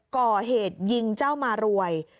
ก่อเหตุยิงเจ้ามารวย